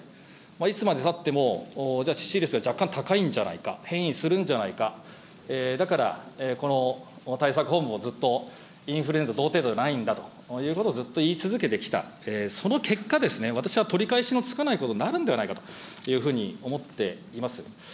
いつまでたっても、じゃあ、致死率が若干高いんじゃないか、変異するんじゃないか、だからこの対策本部もずっとインフルエンザと同程度じゃないんだということをずっと言い続けてきた、その結果、私は取り返しのつかないことになるんではないかというふうに思っています。